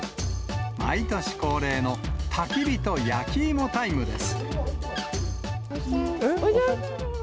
毎年恒例のたき火と焼き芋タイムです。